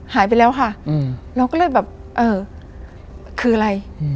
หายไปแล้วค่ะเราก็เลยแบบเออคืออะไร